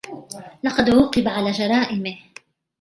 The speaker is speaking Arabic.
لقد عوقب على جرائمه.